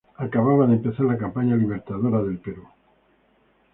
Acababa de empezar la campaña libertadora del Perú.